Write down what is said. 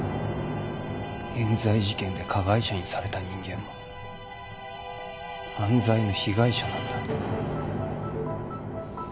冤罪事件で加害者にされた人間も犯罪の被害者なんだ